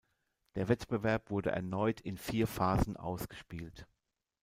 Der Wettbewerb wurde erneut in vier Phasen ausgespielt.